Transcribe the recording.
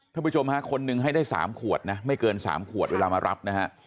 ท่านผู้ชมฮะคนนึงให้ได้สามขวดนะไม่เกินสามขวดเวลามารับนะฮะ